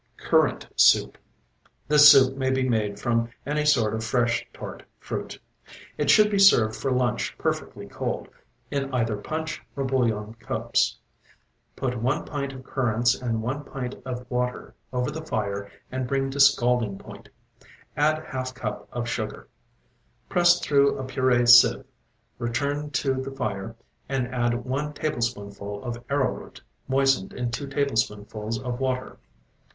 CURRANT SOUP This soup may be made from any sort of fresh, tart fruit. It should be served for lunch perfectly cold, in either punch or bouillon cups. Put one pint of currants and one pint of water over the fire and bring to scalding point. Add half cup of sugar. Press through a purée sieve, return to the fire and add one tablespoonful of arrow root, moistened in two tablespoonfuls of water.